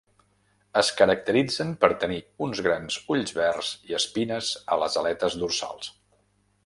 Es caracteritzen per tenir uns grans ulls verds i espines a les aletes dorsals.